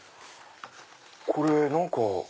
これ何か。